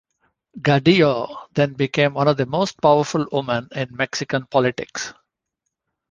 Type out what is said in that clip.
Gordillo then became one of the most powerful women in Mexican politics.